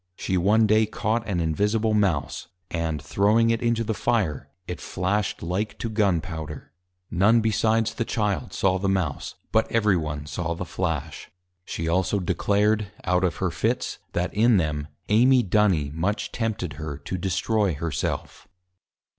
She one Day caught an Invisible Mouse, and throwing it into the Fire, it Flash'd like to Gun Powder. None besides the Child saw the Mouse, but every one saw the Flash. She also declared, out of her Fits, that in them, Amy Duny much tempted her to destroy her self.